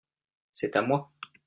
C'est à moi.